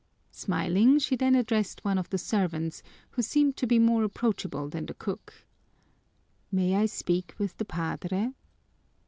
Smiling, she then addressed one of the servants, who seemed to be more approachable than the cook: "May I speak with the padre?"